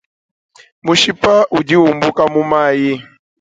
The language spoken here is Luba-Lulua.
Mushipa udi umbuka mumayi.